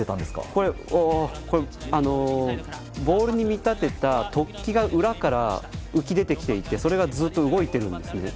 これ、ボールに見立てた突起が裏から浮き出てきていてそれがずっと動いているんですね。